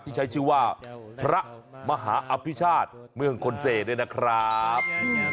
ที่ใช้ชื่อว่าพระมหาอภิชาติเมืองคนเซด้วยนะครับ